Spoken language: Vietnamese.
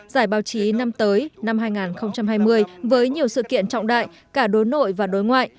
giải báo chí năm tới năm hai nghìn hai mươi với nhiều sự kiện trọng đại cả đối nội và đối ngoại